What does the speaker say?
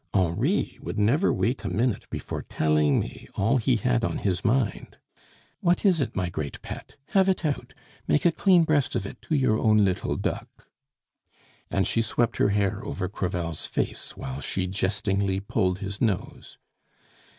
Henri would never wait a minute before telling me all he had on his mind. What is it, my great pet? Have it out. Make a clean breast of it to your own little duck!" And she swept her hair over Crevel's face, while she jestingly pulled his nose.